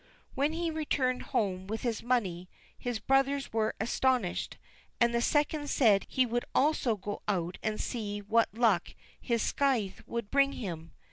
When he returned home with his money, his brothers were astonished, and the second said he would also go out and see what luck his scythe would bring him.